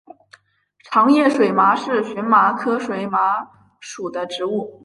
长叶水麻是荨麻科水麻属的植物。